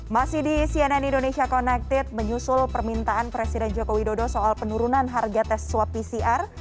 masih di cnn indonesia connected menyusul permintaan presiden joko widodo soal penurunan harga tes swab pcr